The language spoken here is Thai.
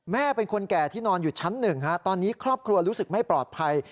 แม่เป็นคนแก่ที่นอนอยู่ชั้น๑ตอนนี้ครอบครัวรู้สึกไม่ปลอดภัย